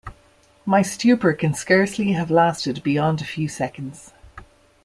My stupor can scarcely have lasted beyond a few seconds.